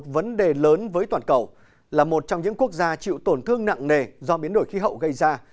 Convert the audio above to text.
vấn đề lớn với toàn cầu là một trong những quốc gia chịu tổn thương nặng nề do biến đổi khí hậu gây ra